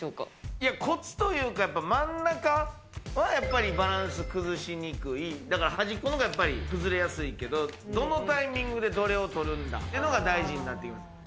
いや、こつというか、やっぱり真ん中はやっぱり、バランス崩しにくい、だから端っこのほうがやっぱり、崩れやすいけど、どのタイミングでどれを取るんだっていうのが大事になっています。